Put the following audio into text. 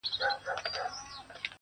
ځان کي مهوه سمه کله چي ځان وینم,